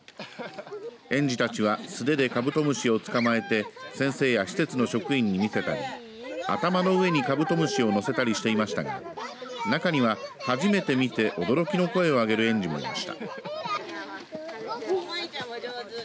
園児たちは素手でカブトムシを捕まえて先生や施設の職員に見せたり頭の上にカブトムシを乗せたりしていましたが中には初めて見て驚きの声を上げる園児もいました。